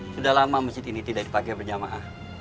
sudah lama masjid ini tidak dipakai berjamaah